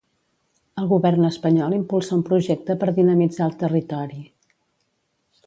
El govern espanyol impulsa un projecte per dinamitzar el territori.